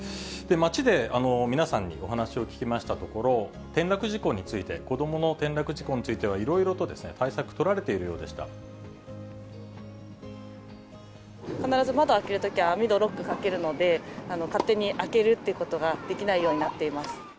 街で皆さんにお話を聞きましたところ、転落事故について、子どもの転落事故については、いろいろ必ず窓開けるときには、網戸ロックかけるので、勝手に開けるってことができないようになっています。